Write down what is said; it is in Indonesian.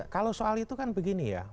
kalau soal itu kan begini ya